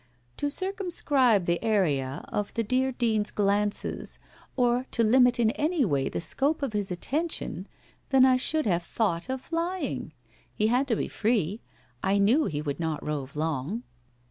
— to circumscribe the area of the dear Dean's glances or to limit in any way the scope of his attentions than I should have thought of flying. He had to be free. I knew he would not rove long.'